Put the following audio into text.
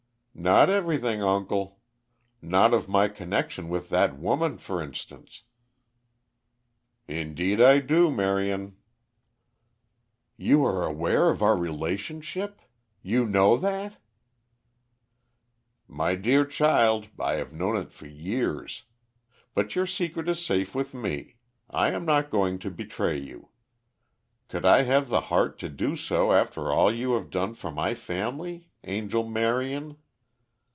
"Not everything, uncle. Not of my connection with that woman, for instance." "Indeed I do, Marion." "You are aware of our relationship! You know that!" "My dear child, I have known it for years. But your secret is safe with me. I am not going to betray you. Could I have the heart to do so after all you have done for my family? Angel Marion."